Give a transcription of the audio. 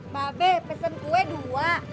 mbak be pesen kue dua